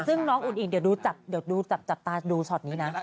ซึ่งน้องอุ่นอิงเดี๋ยวดูจับตาดูช็อตนี้นะ